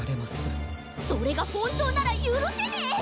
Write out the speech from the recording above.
それがほんとうならゆるせねえ！